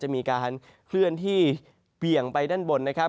มีการเคลื่อนที่เบี่ยงไปด้านบนนะครับ